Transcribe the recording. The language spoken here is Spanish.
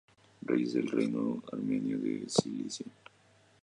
Reyes del reino armenio de Cilicia